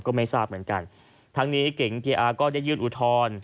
ก็ไม่ทราบเหมือนกันทั้งนี้เก๋งเกียร์อาก็ได้ยื่นอุทธรณ์